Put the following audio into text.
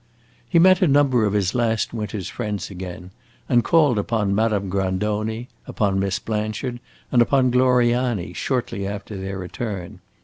He met a number of his last winter's friends again, and called upon Madame Grandoni, upon Miss Blanchard, and upon Gloriani, shortly after their return.